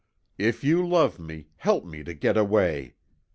If you love me, help me to get away.